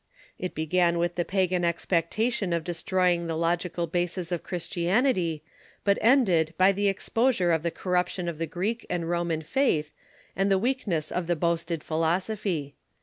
It began with the pagan expectation of destroying ^"iTok) °\s\^^ *^^® logical basis of Christianity, but ended by the exposure of the corruption of the Greek and Ro man faith and the weakness of the boasted philosophy.